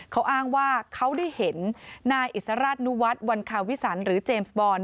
เขาอ้างว่าเขาได้เห็นนายอิสราชนุวัฒน์วันคาวิสันหรือเจมส์บอล